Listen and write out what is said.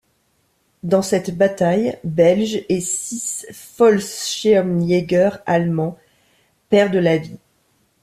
Dans cette bataille, belges et six Fallschirmjäger allemands perdent la vie.